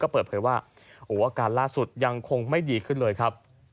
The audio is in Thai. เปิดเผยว่าอาการล่าสุดยังคงไม่ดีขึ้นเลยครับ